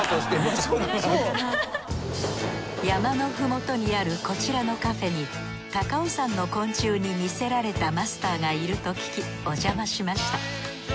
山のふもとにあるこちらのカフェに高尾山の昆虫に魅せられたマスターがいると聞きおじゃましました。